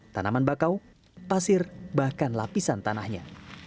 tanaman bakau pasir bahkan lapisan tanahnya